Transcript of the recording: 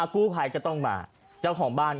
กู้ภัยก็ต้องมาเจ้าของบ้าน